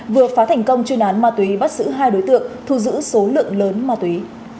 vừa phá thành công chuyên án ma túy bắt giữ hai đối tượng thu giữ số lượng lớn ma túy